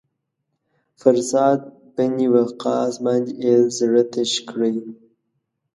پر سعد بن وقاص باندې یې زړه تش کړی.